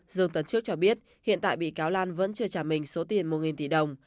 dương tấn trước cho biết hiện tại bị cáo lan vẫn chưa trả mình số tiền một tỷ đồng